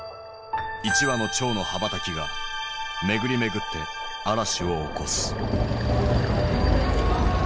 一羽の蝶の羽ばたきが巡り巡って嵐を起こす。